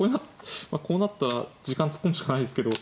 こうなったら時間突っ込むしかないですけど。